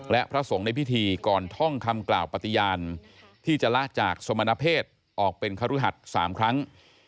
และพระสงฆ์ในพิธีก่อนท่องคำกล่าวปฏิญาณที่จะละจากสมณเพศออกเป็นครุหัส๓ครั้ง